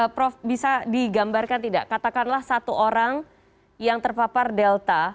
prof bisa digambarkan tidak katakanlah satu orang yang terpapar delta